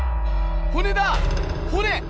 骨だ骨！